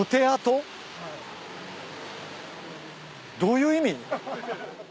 どういう意味？